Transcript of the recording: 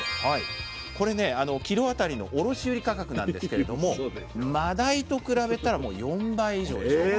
これねキロ当たりの卸売価格なんですけれどもまだいと比べたら４倍以上でしょ。